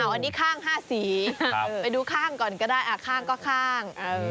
อันนี้ข้าง๕สีไปดูข้างก่อนก็ได้ข้างก็ข้าง